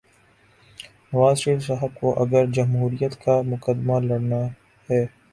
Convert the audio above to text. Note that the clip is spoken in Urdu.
نواز شریف صاحب کو اگر جمہوریت کا مقدمہ لڑنا ہے۔